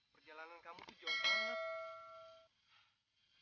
perjalanan kamu tuh jauh banget